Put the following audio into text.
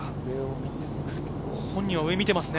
本人は上を見ていますね。